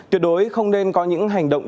tuyệt đối không nên có những hành động